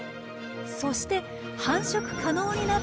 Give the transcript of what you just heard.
そして繁殖可能になったころ